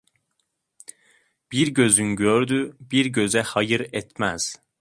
Bir gözün gördüğü bir göze hayır etmez.